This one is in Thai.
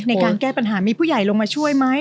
ในการแก้ปัญหามีผู้ใหญ่ลงมาช่วยไหม